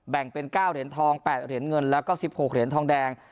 แบ่งเป็น๙เหรียญทอง๘เหรียญเงินแล้วก็๑๖เหรียญทองแดง